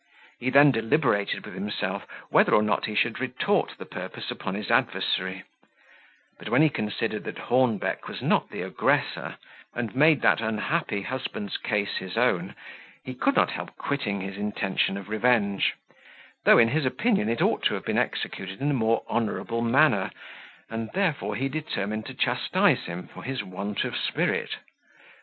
He then deliberated with himself whether or not he should retort the purpose upon his adversary; but when he considered that Hornbeck was not the aggressor, and made that unhappy husband's case his own, he could not help quitting his intention of revenge; though, in his opinion, it ought to have been executed in a more honourable manner, and therefore he determined to chastise him for his want of spirit.